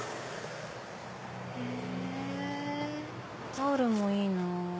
タオルもいいなぁ。